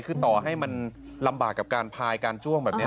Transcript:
คือต่อให้มันลำบากกับการพายการจ้วงแบบนี้